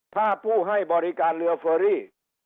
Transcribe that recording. ถ้าผู้ให้บริการเรือเฟอรี่